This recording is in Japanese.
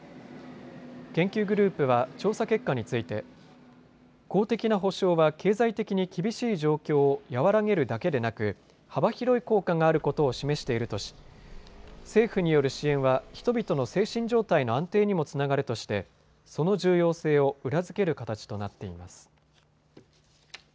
研究グループは調査結果について公的な補償は経済的に厳しい状況を和らげるだけでなく幅広い効果があることを示しているとし政府による支援は人々の精神状態の安定にもつながるとしてその重要性を裏付ける形となっています。